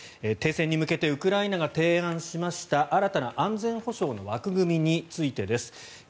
停戦に向けてウクライナが提案しました新たな安全保障の枠組みについてです。